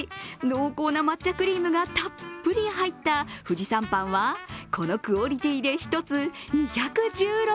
濃厚な抹茶クリームがたっぷり入った富士山パンはこのクオリティーで１つ２１６円。